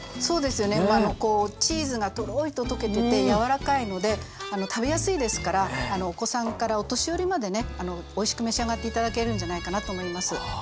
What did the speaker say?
そうですよねこうチーズがとろりと溶けてて柔らかいので食べやすいですからお子さんからお年寄りまでねおいしく召し上がって頂けるんじゃないかなと思います。